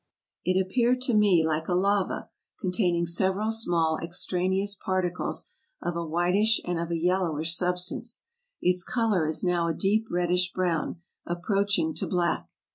It appeared 288 TRAVELERS AND EXPLORERS to me like a lava, containing several small extraneous par ticles of a whitish and of a yellowish substance. Its color is now a deep reddish brown, approaching to black.